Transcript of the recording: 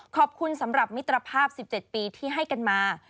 ขอบคุณสำหรับมิตรภาพ๑๗ปีที่ให้กันมา